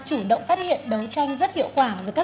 chủ động phát hiện đấu tranh rất hiệu quả